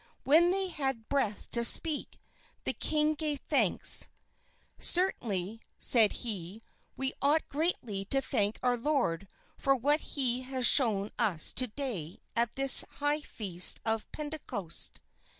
When they had breath to speak, the king gave thanks. "Certainly," said he, "we ought greatly to thank our Lord for what he has shown us to day at this high feast of Pentecost."